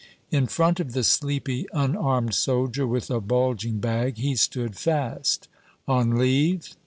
In front of the sleepy unarmed soldier with a bulging bag he stood fast. "On leave?"